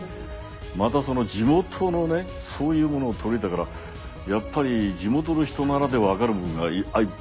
またその地元のねそういうものを取り入れたからやっぱり地元の人ならで分かるもんがいっぱいあるじゃないですか。